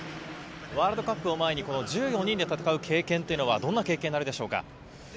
ワールドカップを前に１４人で戦う経験というのは、どんな経験になるでしょうか？